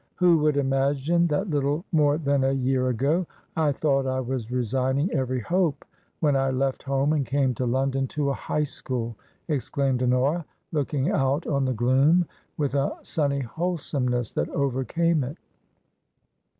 ''Who would imagine that little more than a year TRANSITION. 231 • ago I thought I was resigning every hope when I left home and came to London to a High School!" ex claimed Honora, looking out on the gloom with a sunny wholesomeness that overcame it.